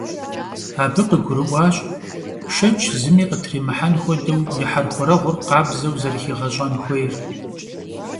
Abı khıgurı'uaş, şşeç zımi khıtrimıhen xuedeu yi herxuereğur khabzeu zerıxiğeş'en xuêyr.